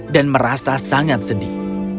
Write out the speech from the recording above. dan merasa sangat sedih